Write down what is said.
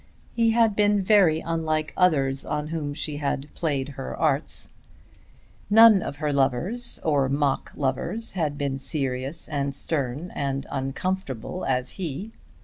He had been very unlike others on whom she had played her arts. None of her lovers, or mock lovers, had been serious and stern and uncomfortable as he.